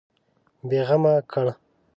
بېغمه کړ.